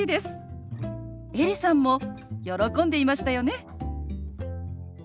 エリさんも喜んでいましたよね。